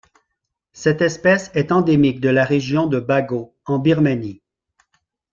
Cette espèce est endémique de la région de Bago en Birmanie.